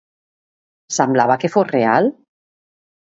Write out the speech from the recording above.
Semblava que fos real?